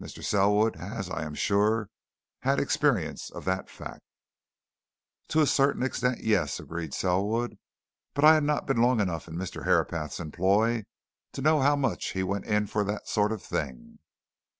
Mr. Selwood has, I am sure, had experience of that fact?" "To a certain extent yes," agreed Selwood. "But I had not been long enough in Mr. Herapath's employ to know how much he went in for that sort of thing."